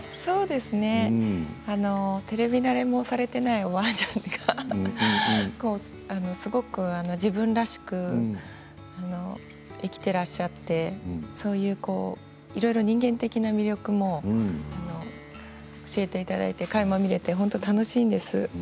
テレビ慣れもされていないおばあちゃんがすごく自分らしく生きてらっしゃっていろいろ人間的な魅力も教えていただいてかいま見られて楽しいです。